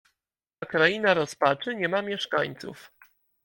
"Ta kraina rozpaczy nie ma mieszkańców."